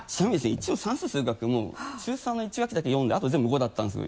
一応算数・数学も中３の１学期だけ４であと全部５だったんです。